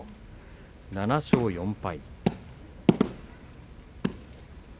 ７勝４敗。